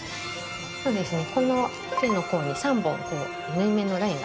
そうですね。